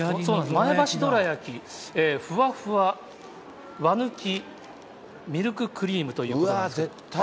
前橋どら焼き、ふわふわわぬきミルククリームということで。